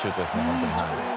本当に。